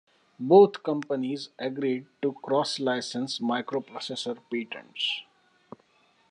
Both companies agreed to cross-license microprocessor patents.